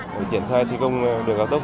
để triển khai thí công đường gạo tốc